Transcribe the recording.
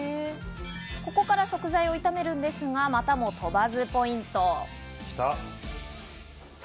ここから食材を炒めるんですが、またも鳥羽’ｓＰＯＩＮＴ。